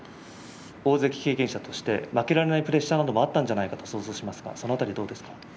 大関経験者として負けられないプレッシャーなどもあったのではないかと想像しますがその辺りはどうですか。